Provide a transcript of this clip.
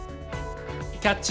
「『キャッチ！